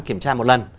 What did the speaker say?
kiểm tra một lần